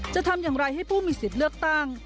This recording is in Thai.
จะทำอย่างไรให้ผู้มีสิทธิ์เลือกตั้ง